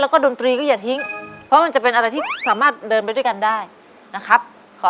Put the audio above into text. ครับ